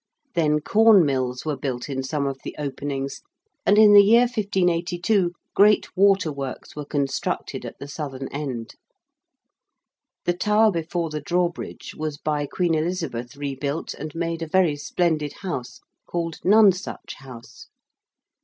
Then corn mills were built in some of the openings, and in the year 1582 great waterworks were constructed at the southern end. The tower before the drawbridge was by Queen Elizabeth rebuilt and made a very splendid house called Nonesuch House.